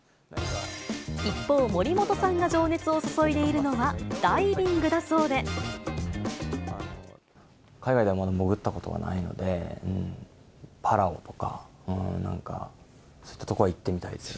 一方、森本さんが情熱を注い海外ではまだ潜ったことがないので、パラオとか、なんか、そういった所は行ってみたいです